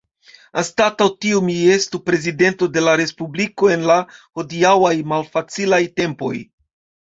Anstataŭ tio mi estu prezidento de la respubliko en la hodiaŭaj malfacilaj tempoj.